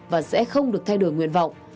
và sẽ không được thay đổi nguyện vọng